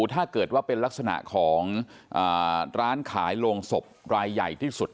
ถ้าเกิดว่าเป็นลักษณะของร้านขายโรงศพรายใหญ่ที่สุด